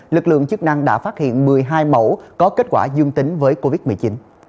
lực lượng chức năng đã phát hiện một mươi hai mẫu có kết quả dương tính với covid một mươi chín